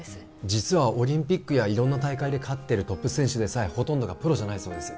実はオリンピックや色んな大会で勝ってるトップ選手でさえほとんどがプロじゃないそうです